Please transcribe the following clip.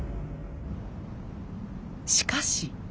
しかし。